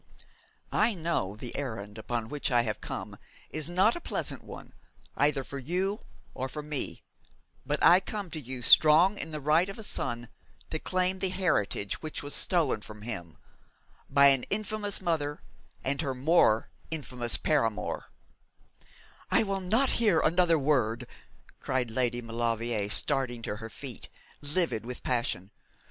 I know the errand upon which I have come is not a pleasant one, either for you or for me; but I come to you strong in the right of a son to claim the heritage which was stolen from him by an infamous mother and her more infamous paramour ' 'I will not hear another word!' cried Lady Maulevrier, starting to her feet, livid with passion.